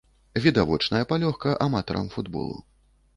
Відавочная палёгка аматарам футболу.